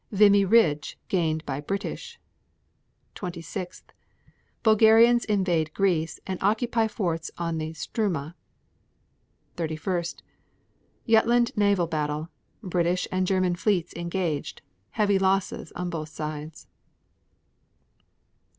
Vimy Ridge gained by British. 26. Bulgarians invade Greece and occupy forts on the Struma. 31. Jutland naval battle; British and German fleets engaged; heavy losses on both sides.